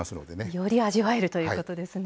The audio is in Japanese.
より味わえるということですね。